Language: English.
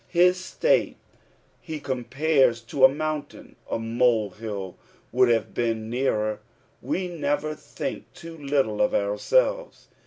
His state he compares to a mountiin, a molehill would have been nearer — ire never tbinic too little of ourselves.